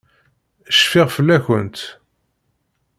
Cfiɣ fell-akent.